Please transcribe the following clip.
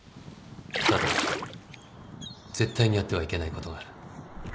ただ絶対にやってはいけないことがある